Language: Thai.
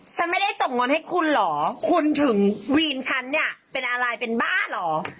ฉันไม่ได้ส่งเงินให้คุณเหรอคุณถึงวีนฉันเนี่ยเป็นอะไรเป็นบ้าเหรอ